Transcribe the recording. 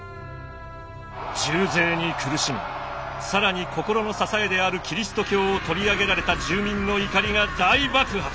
重税に苦しみ更に心の支えであるキリスト教を取り上げられた住民の怒りが大爆発。